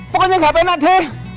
pokoknya gak pernah deh